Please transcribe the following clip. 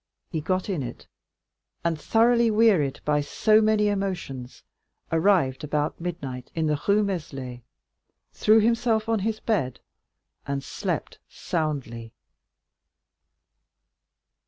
He got in it, and thoroughly wearied by so many emotions, arrived about midnight in the Rue Meslay, threw himself on his bed and slept soundly.